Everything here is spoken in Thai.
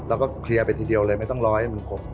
แล้วก็เคลียร์ไปทีเดียวเลยไม่ต้องรอให้มันครบ